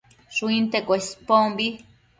Shuinte Cuespombi